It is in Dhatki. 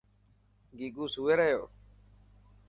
گيگو سوئي رهيو.